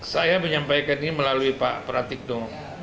saya menyampaikan ini melalui pak pratikno